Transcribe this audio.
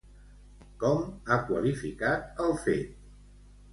Com ha qualificat el fet?